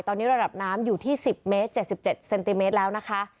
ตอนนี้ระดับน้ำอยู่ที่๑๐เมตร๗๗เซนติเมตรแล้วนะคะ